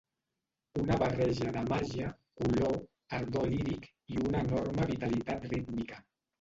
Una barreja de màgia, color, ardor líric i una enorme vitalitat rítmica.